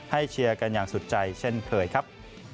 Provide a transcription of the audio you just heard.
เชียร์กันอย่างสุดใจเช่นเคยครับ